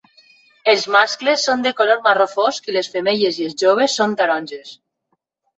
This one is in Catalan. Els mascles són de color marró fosc i les femelles i els joves són taronges.